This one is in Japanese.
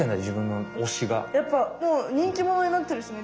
やっぱもうにんきものになってるしね